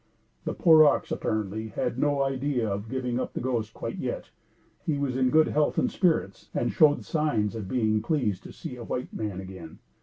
The poor ox, apparently, had no idea of giving up the ghost quite yet. He was in good health and spirits, and showed signs of being pleased to see a white man again.